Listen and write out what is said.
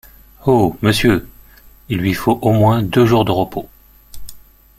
Oh! monsieur ! il lui faut au moins deux jours de repos.